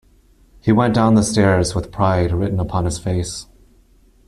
He went down the stairs with pride written upon his face.